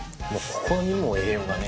ここにも栄養がね。